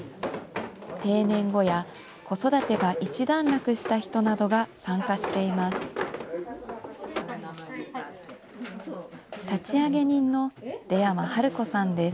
定年後や、子育てが一段落した人などが参加しています。